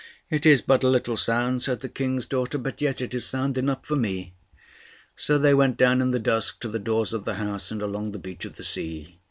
"It is but a little sound," said the King's daughter, "but yet is it sound enough for me." So they went down in the dusk to the doors of the house, and along the beach of the sea.